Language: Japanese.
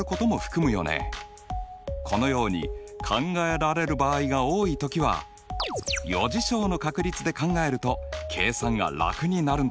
このように考えられる場合が多い時は余事象の確率で考えると計算が楽になるんだったよね。